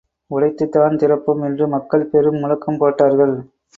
உடைத்துதான் திறப்போம் என்று மக்கள் பெரும் முழக்கம் போட்டார்கள்.